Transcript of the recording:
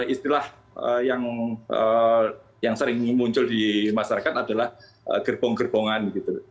istilah yang sering muncul di masyarakat adalah gerbong gerbongan gitu